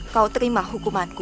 kau terima hukumanku